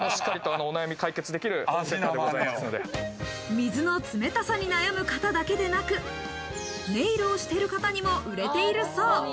水の冷たさに悩む方だけでなく、ネイルをしている方にも売れているそう。